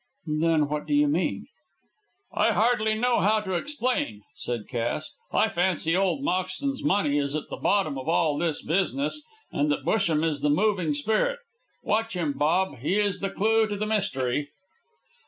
"Then what do you mean?" "I hardly know how to explain," said Cass. "I fancy old Moxton's money is at the bottom of all this business, and that Busham is the moving spirit. Watch him, Bob, he is the clue to the mystery."